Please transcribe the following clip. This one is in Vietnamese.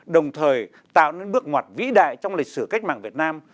đồng thời tạo nên bước ngoặt vĩ đại trong lịch sử cách mạng việt nam